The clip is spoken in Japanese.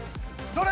どれ？